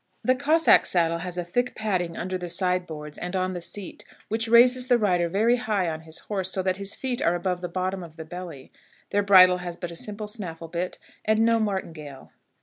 The Cossack saddle has a thick padding under the side boards and on the seat, which raises the rider very high on his horse, so that his feet are above the bottom of the belly. Their bridle has but a simple snaffle bit, and no martingale.